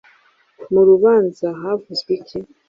Mu rubanza havuzwe iki